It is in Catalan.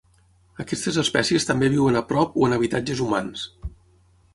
Aquestes espècies també viuen a prop o en habitatges humans.